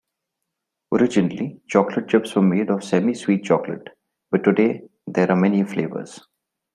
Originally, chocolate chips were made of semi-sweet chocolate, but today there are many flavors.